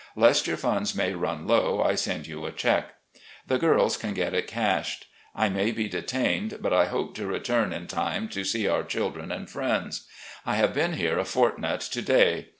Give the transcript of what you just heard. Lest your funds may run low, I send you a check ... The girls can get it cashed. I may be detained, but I hope to return in time to see our children and friends. I have been here a fortnight to day.